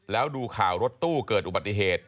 แล้วดูข่าวรถตู้เกิดอุบัติเหตุ